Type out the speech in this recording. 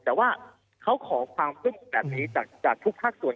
แต่ว่าเขาขอความร่วมมือแบบนี้จากทุกภาคส่วน